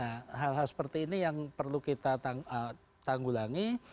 nah hal hal seperti ini yang perlu kita tanggulangi